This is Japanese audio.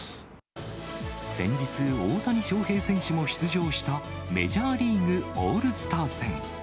先日、大谷翔平選手も出場したメジャーリーグオールスター戦。